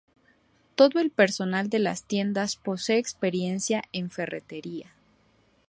Todo el personal de las tiendas posee experiencia en ferretería.